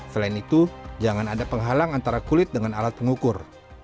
selain itu jangan ada penghalang antara kulit dengan alat pengukur